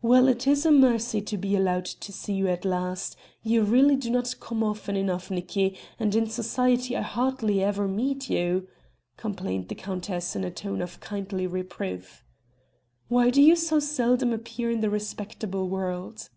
"Well, it is a mercy to be allowed to see you at last; you really do not come often enough, Nicki; and in society I hardly ever meet you," complained the countess in a tone of kindly reproof. "Why do you so seldom appear in the respectable world?"